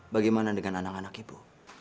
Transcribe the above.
bagaimana dengan anak anak ibu